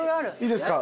いいですか？